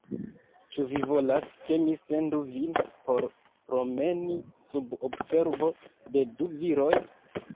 Ĉu vi volas, ke mi sendu vin por promeni, sub observo de du viroj?